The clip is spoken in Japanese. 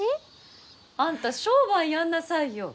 あんた商売やんなさいよ。